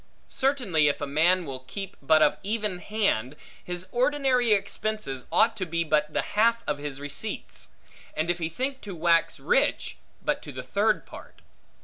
Certainly, if a man will keep but of even hand, his ordinary expenses ought to be but to the half of his receipts; and if he think to wax rich, but to the third part.